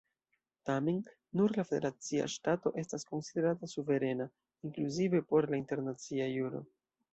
Tamen, nur la federacia ŝtato estas konsiderata suverena, inkluzive por la internacia juro.